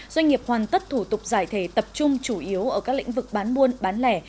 doanh nghiệp hoàn tất thủ tục giải thể tập trung chủ yếu ở các lĩnh vực bán buôn bán lẻ